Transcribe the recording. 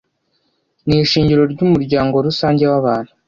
ni ishingiro ry’umuryango rusange w’abantu